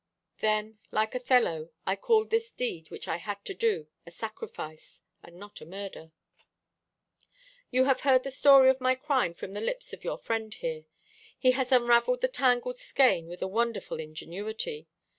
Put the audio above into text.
"Then, like Othello, I called this deed which I had to do, a sacrifice, and not a murder. "You have heard the story of my crime from the lips of your friend here. He has unravelled the tangled skein with a wonderful ingenuity.